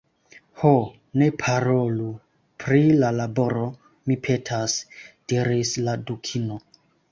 "Ho, ne parolu pri la laboro, mi petas," diris la Dukino. "